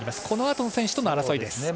このあとの選手との争いです。